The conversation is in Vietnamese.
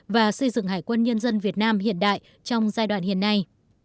và xây dựng hải quân nhân dân việt nam hiện đại trong giai đoạn hiện nay